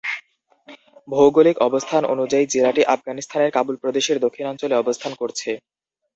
ভৌগোলিক অবস্থান অনুযায়ী জেলাটি আফগানিস্তানের কাবুল প্রদেশের দক্ষিণ অঞ্চলে অবস্থান করছে।